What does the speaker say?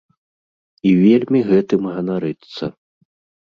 І вельмі гэтым ганарыцца.